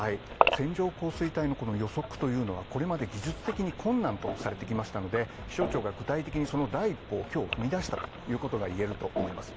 線状降水帯の予測というのはこれまで技術的に困難とされてきましたので気象庁が具体的に今日、その第一歩を踏み出したと言えます。